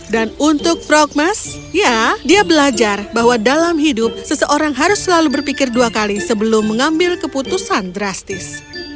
untuk progmas ya dia belajar bahwa dalam hidup seseorang harus selalu berpikir dua kali sebelum mengambil keputusan drastis